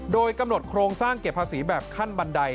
โดยกำหนดโครงสร้างเก็บภาษีแบบขั้นบันได